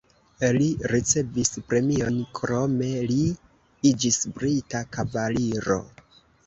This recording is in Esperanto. Li ricevis premiojn, krome li iĝis brita kavaliro.